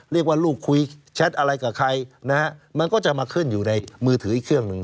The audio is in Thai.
ลูกคุยแชทอะไรกับใครนะฮะมันก็จะมาขึ้นอยู่ในมือถืออีกเครื่องหนึ่ง